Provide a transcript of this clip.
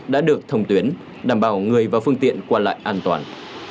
đã được thông tuyến đảm bảo người và phương tiện qua lại an toàn